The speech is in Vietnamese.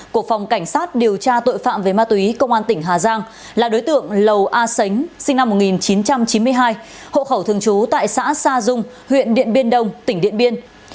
của phòng cảnh sát điều tra tội phạm về ma túy công an tỉnh hà giang là đối tượng lầu a sánh sinh năm một nghìn chín trăm chín mươi hai hộ khẩu thường trú tại xã sa dung huyện điện biên đông tỉnh điện biên